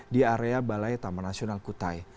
di area balai taman nasional kutai